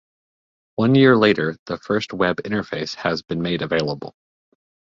One year later the first web interface has been made available.